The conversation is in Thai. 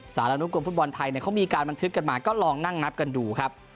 สารนุกรมฟุตบอลไทยเขามีการบันทึกกันมาก็ลองนั่งนับกันดูครับ